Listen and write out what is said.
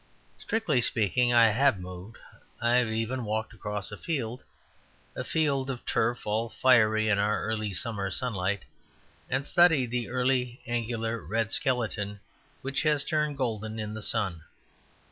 Strictly speaking, I have moved; I have even walked across a field a field of turf all fiery in our early summer sunlight and studied the early angular red skeleton which has turned golden in the sun.